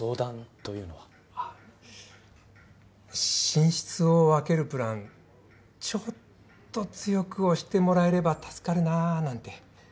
寝室を分けるプランちょっと強く押してもらえれば助かるななんて。